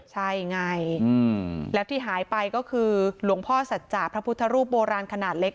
ใช่ไงแล้วที่หายไปก็คือหลวงพ่อสัจจาพระพุทธรูปโบราณขนาดเล็ก